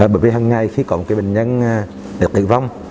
bởi vì hằng ngày khi có một cái bệnh nhân tẩy vong